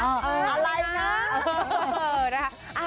อะไรนะ